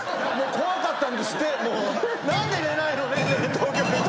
怖かったんですって。